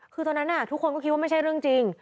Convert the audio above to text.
คือตอนนั้นทุกคนก็คิดว่าไม่ใช่เรื่องจริง